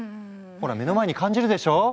ほら目の前に感じるでしょう？